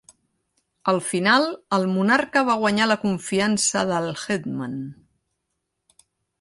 Al final, el monarca va guanyar la confiança de l'Hetman.